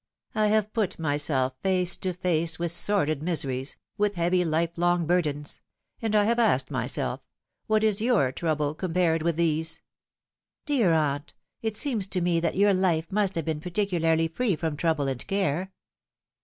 I have put myself face to face with sordid mise ries, with heavy life long burdens ; and I have asked myself, What is your trouble compared with these ?"" Dear aunt, it seems to me that your life must have been particularly free from trouble and care."